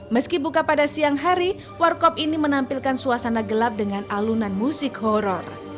meski buka pada siang hari warkop ini menampilkan suasana gelap dengan alunan musik horror